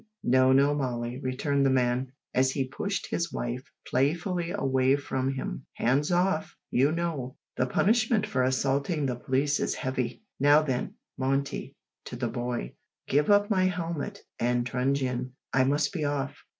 "No, no, Molly," returned the man, as he pushed his wife playfully away from him. "Hands off! You know the punishment for assaulting the police is heavy! Now then, Monty," (to the boy), "give up my helmet and truncheon. I must be off."